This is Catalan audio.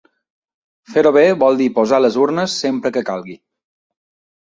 Fer-ho bé vol dir posar les urnes sempre que calgui.